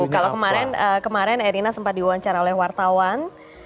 kalau kemarin erina sempat diwawancara oleh wartawan